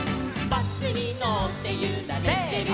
「バスにのってゆられてる」